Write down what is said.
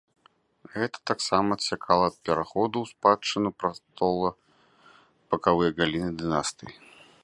Гэта таксама адсякала ад пераходу ў спадчыну прастола бакавыя галіны дынастыі.